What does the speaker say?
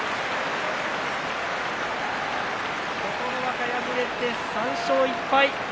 琴ノ若、敗れて３勝１敗。